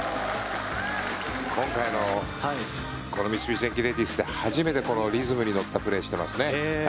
今回のこの三菱電機レディスで初めてリズムに乗ったプレーをしていますね。